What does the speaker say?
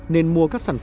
nên mua các sản phẩm